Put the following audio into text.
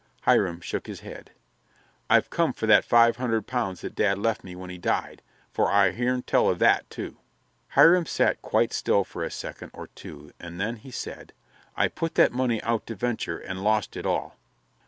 Hiram shook his head. "I've come for that five hundred pounds that dad left me when he died, for I hearn tell of that, too." Hiram sat quite still for a second or two and then he said, "I put that money out to venture and lost it all."